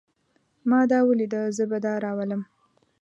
ما دا وليده. زه به دا راولم.